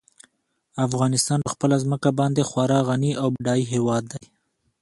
افغانستان په خپله ځمکه باندې خورا غني او بډای هېواد دی.